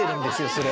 それ。